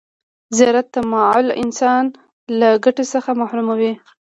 زیات تماعل انسان له ګټې څخه محروموي.